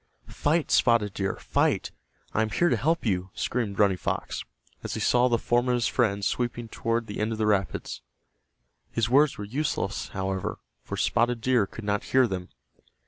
"Fight, Spotted Deer! Fight! I am here to help you!" screamed Running Fox, as he saw the form of his friend sweeping toward the end of the rapids. His words were useless, however, for Spotted Deer could not hear them.